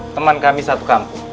teman kami satu kampung